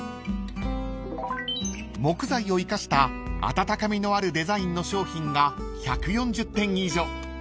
［木材を生かした温かみのあるデザインの商品が１４０点以上］